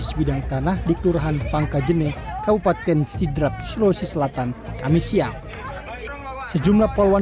sebidang tanah di kelurahan pangkajene kabupaten sidrap sulawesi selatan kamis siang sejumlah poluan